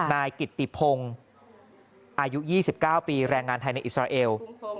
นายกิตติพงศ์อายุ๒๙ปีแรงงานไทยในอิสราเอล